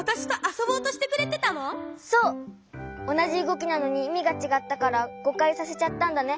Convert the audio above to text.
おなじうごきなのにいみがちがったからごかいさせちゃったんだね。